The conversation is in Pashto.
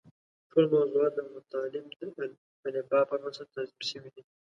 ټول موضوعات او مطالب د الفباء پر بنسټ تنظیم شوي دي.